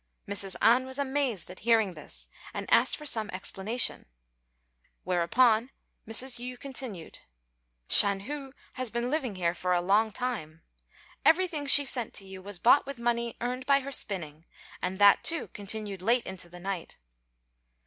Mrs. An was amazed at hearing this, and asked for some explanation; whereupon Mrs. Yü continued, "Shan hu has been living here for a long time. Everything she sent to you was bought with money earned by her spinning, and that, too, continued late into the night."